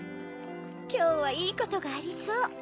きょうはいいことがありそう！